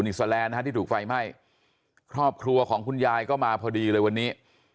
สแลนด์นะฮะที่ถูกไฟไหม้ครอบครัวของคุณยายก็มาพอดีเลยวันนี้